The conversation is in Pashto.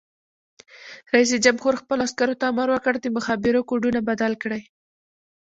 رئیس جمهور خپلو عسکرو ته امر وکړ؛ د مخابرو کوډونه بدل کړئ!